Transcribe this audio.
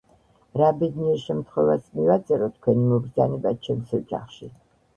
რა ბედნიერ შემთხვევას მივაწერო თქვენი მობრძანება ჩემს ოჯახში?!